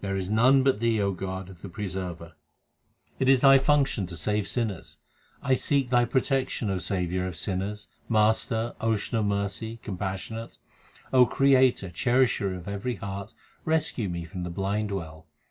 There is none but Thee, O God, the Preserver. It is Thy function to save sinners. 1 seek Thy protection, O Saviour of sinners, Master, Ocean of mercy, compassionate : O Creator, Cherisher of every heart, rescue me from the blind well.